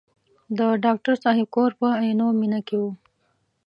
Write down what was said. د ډاکټر صاحب کور په عینومېنه کې و.